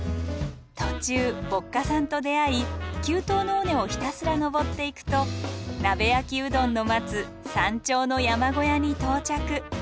途中歩荷さんと出会い急登の尾根をひたすら登っていくと鍋焼きうどんの待つ山頂の山小屋に到着。